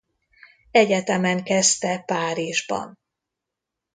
Egyetemen kezdte Párizsban.